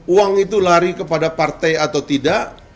uang itu lari kepada partai atau tidak